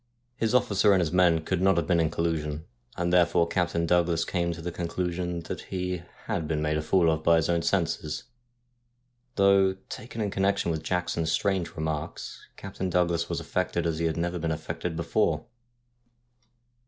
His officer and his men could not have been in collusion, and therefore Captain Douglas came to the conclu sion that he had been made a fool of by his own senses, though, 170 STORIES WEIRD AND WONDERFUL taken in connection with Jackson's strange remarks, Captain Douglas was affected as he had never been affected before.